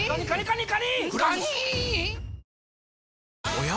おや？